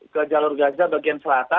ke jalur gaza bagian selatan